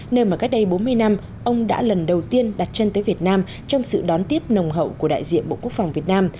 nơi mà cách đây bốn mươi năm ông đã lần đầu tiên đặt chân tới việt nam trong sự đón tiếp nồng hậu của đại diện bộ quốc phòng việt nam